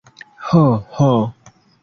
Ho, ho!